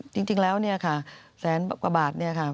จริงแล้วแสนกว่าบาท